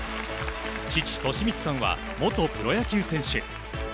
父・寿光さんは元プロ野球選手。